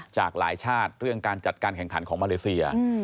จากหลายชาติเรื่องการจัดการแข่งขันของมาเลเซีย